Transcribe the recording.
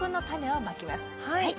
はい。